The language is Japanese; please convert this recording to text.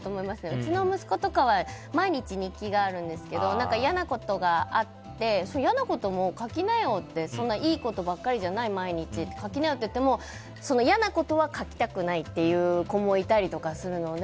うちの息子とかは毎日、日記があるんですけど嫌なことがあって嫌なことも書きなよってそんないいことばっかりじゃない毎日書きなよって言っても嫌なことは書きたくないっていう子もいたりするので。